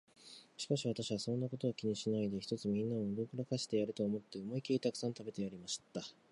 しかし私は、そんなことは気にしないで、ひとつみんなを驚かしてやれと思って、思いきりたくさん食べてやりました。